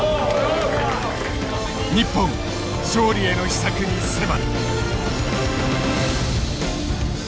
日本勝利への秘策に迫る。